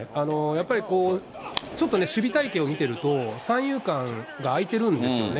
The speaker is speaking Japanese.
やっぱり、ちょっとね、守備隊形を見てると三遊間が空いてるんですよね。